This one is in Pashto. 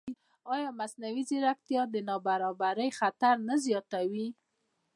ایا مصنوعي ځیرکتیا د نابرابرۍ خطر نه زیاتوي؟